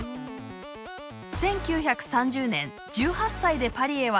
１９３０年１８歳でパリへ渡った岡本。